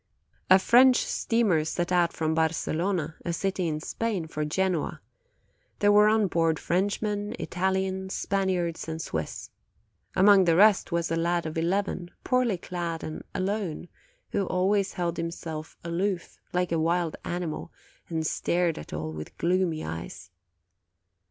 "A French steamer set out from Barcelona, a city in Spain, for Genoa; there were on board Frenchmen, Italians, Spaniards, and Swiss. Among the rest was a lad of eleven, poorly clad, and alone, who always held himself aloof, like a wild animal, and stared at all with gloomy eyes.